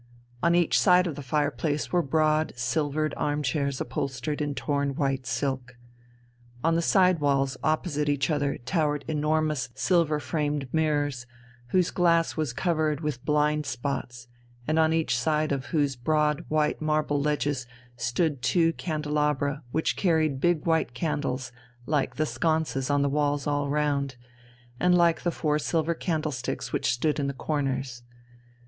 On each side of the fireplace were broad silvered arm chairs upholstered in torn white silk. On the side walls opposite each other towered enormous silver framed mirrors, whose glass was covered with blind spots, and on each side of whose broad white marble ledges stood two candelabra which carried big white candles like the sconces on the walls all round, and like the four silver candlesticks which stood in the corners.